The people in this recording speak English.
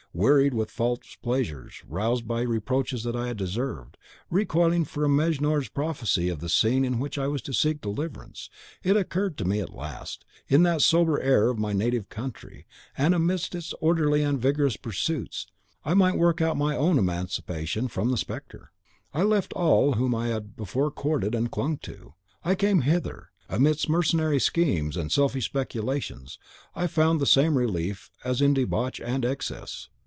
Wearied with false pleasures, roused by reproaches I had deserved, recoiling from Mejnour's prophecy of the scene in which I was to seek deliverance, it occurred to me, at last, that in the sober air of my native country, and amidst its orderly and vigorous pursuits, I might work out my own emancipation from the spectre. I left all whom I had before courted and clung to, I came hither. Amidst mercenary schemes and selfish speculations, I found the same relief as in debauch and excess.